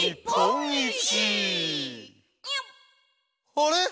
「あれ！